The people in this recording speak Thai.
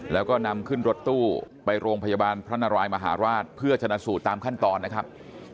แล้วก็นำขึ้นรถตู้ไปโรงพยาบาลพระนารายมหาราชเพื่อชนะสูตรตามขั้นตอนนะครับ